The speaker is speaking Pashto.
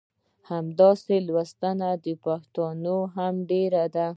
همداسې لوستي پښتانه هم ډېر دي.